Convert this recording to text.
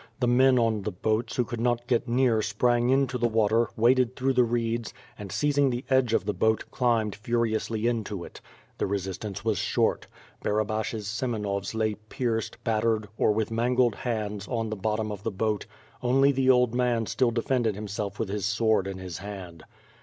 The men on the boats who could not get near sprang into the water, waded through the reeds, and, seizing the edge of the boat, climbed furiously into it. The resistance was short. Barabash's Semenovs lay pierced, bat tered, or with mangled hands, on the bottom 01 the boat — only the old man still defended himself with his sword in his hand.